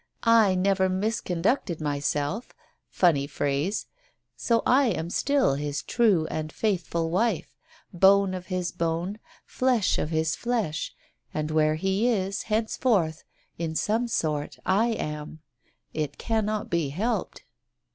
I never misconducted myself — funny phrase! — so I am still his true and faithful wife, bone of his bone, flesh of his flesh, and where he is, henceforth, in some sort, I am. It cannot be helped.